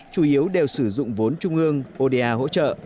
chủ yếu đều sử dụng vốn trung ương oda hỗ trợ